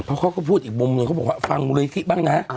เพราะเขาก็พูดอีกมุมหนึ่งเขาบอกว่าฟังมูลนิธิบ้างนะ